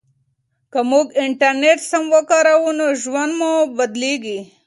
که موږ انټرنیټ سم وکاروو نو ژوند مو بدلیږي.